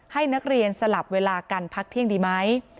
ให้นักเรียนสลับเวลากันพักเที่ยงดีไหม